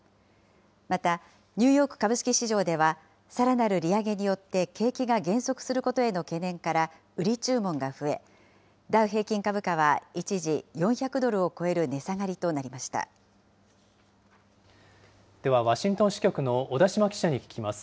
また、ニューヨーク株式市場では、さらなる利上げによって景気が減速することへの懸念から売り注文が増え、ダウ平均株価は一時、４００ドルを超える値下がりとなりでは、ワシントン支局の小田島記者に聞きます。